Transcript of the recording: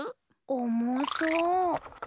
おもそう。